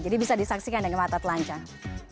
jadi bisa disaksikan dengan mata telanjang